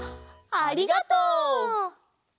ありがとう。